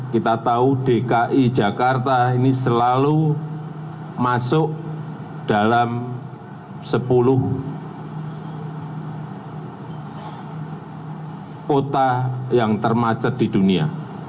kita tahu dki jakarta ini selalu masuk dalam sepuluh kota yang termacet di dunia